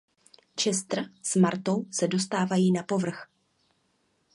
Chester s Martou se dostávají na Povrch.